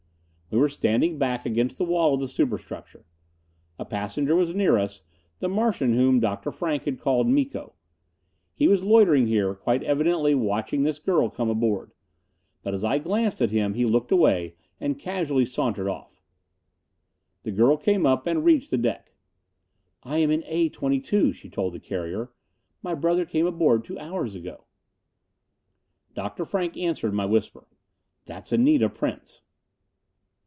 We were standing back against the wall of the superstructure. A passenger was near us the Martian whom Dr. Frank had called Miko. He was loitering here, quite evidently watching this girl come aboard. But as I glanced at him he looked away and casually sauntered off. The girl came up and reached the deck. "I am in A 22," she told the carrier. "My brother came aboard two hours ago." Dr. Frank answered my whisper. "That's Anita Prince."